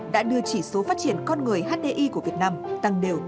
đã đưa chỉ số phát triển con người hdi của việt nam tăng đều